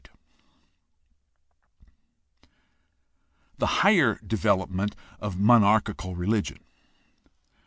d) The higher development of monarchical religion.